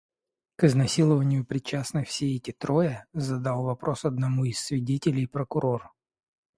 «К изнасилованию причастны все эти трое?» — задал вопрос одному из свидетелей прокурор.